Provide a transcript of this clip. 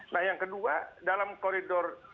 nah yang kedua dalam koridor